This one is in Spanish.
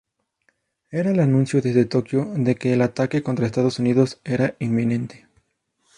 Era el anuncio desde Tokio de que el ataque contra Estados Unidos era inminente.